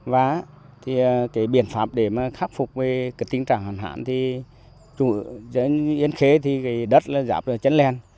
và thì cái biện pháp để mà khắc phục cái tình trạng hẳn hẳn thì yên khê thì đất là dạp chân len